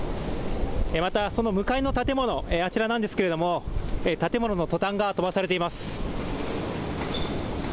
また、その向かいの建物、あちらなんですけれども、建物のトタンが飛ばされています。